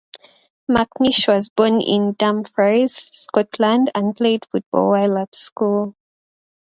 McNish was born in Dumfries, Scotland and played football while at school.